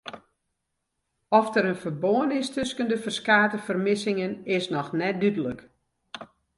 Oft der in ferbân is tusken de ferskate fermissingen is noch net dúdlik.